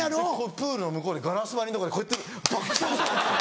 プールの向こうでガラス張りのとこでこうやって爆笑してたんですよ。